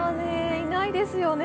いないですよね。